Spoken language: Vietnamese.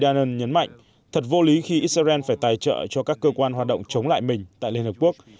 yarn nhấn mạnh thật vô lý khi israel phải tài trợ cho các cơ quan hoạt động chống lại mình tại liên hợp quốc